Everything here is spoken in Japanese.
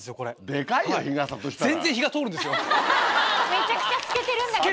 めちゃくちゃ透けてるんだけど。